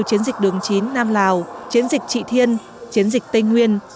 chiến dịch đường chín nam lào chiến dịch trị thiên chiến dịch tây nguyên